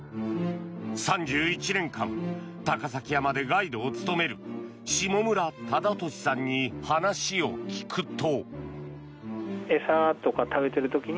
３１年間高崎山でガイドを務める下村忠俊さんに話を聞くと。